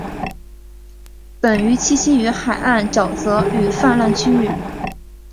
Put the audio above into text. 本鱼栖息于海岸沼泽与泛滥区域。